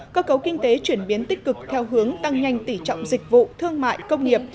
cơ cấu kinh tế chuyển biến tích cực theo hướng tăng nhanh tỉ trọng dịch vụ thương mại công nghiệp